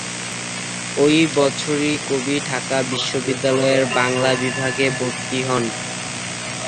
ওই বছরই কবি ঢাকা বিশ্ববিদ্যালয়ের বাংলা বিভাগে ভর্তি হন।